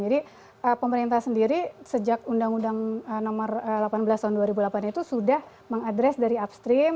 jadi pemerintah sendiri sejak undang undang nomor delapan belas tahun dua ribu delapan itu sudah mengadres dari upstream